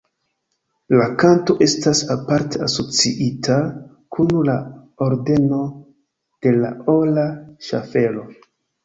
La kanto estas aparte asociita kun la Ordeno de la Ora Ŝaffelo.